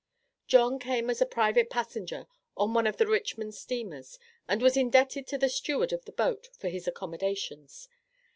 John came as a private passenger on one of the Richmond steamers, and was indebted to the steward of the boat for his accommodations.